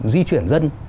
di chuyển dân